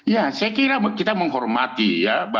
ya saya kira kita menghormati ya